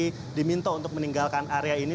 beberapa kali diminta untuk meninggalkan area ini